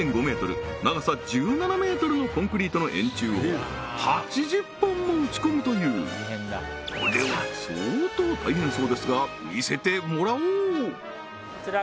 ｍ長さ１７ｍのコンクリートの円柱を８０本も打ち込むというこれは相当大変そうですが見せてもらおう！